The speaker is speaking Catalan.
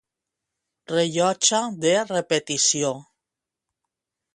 Rellotge de repetició.